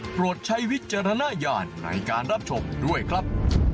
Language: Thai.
ใช้วิจารณญาณในการรับชมด้วยครับ